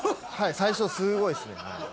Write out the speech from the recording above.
最初すごいっすね。